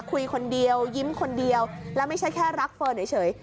คุยคนเดียวยิ้มคนเดียวแล้วไม่ใช่แค่รักเฟิร์นเฉย